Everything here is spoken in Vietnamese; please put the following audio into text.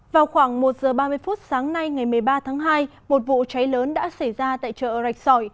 vào khoảng một giờ ba mươi phút sáng nay ngày một mươi ba tháng hai một vụ cháy lớn đã xảy ra tại chợ rạch sỏi